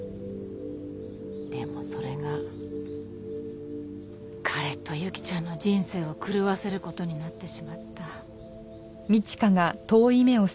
でもそれが彼と由紀ちゃんの人生を狂わせる事になってしまった。